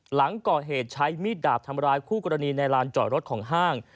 หลังก่อเหตุใช้มีดดาบทำร้ายคู่กรณีในลานจอดรถของห้าง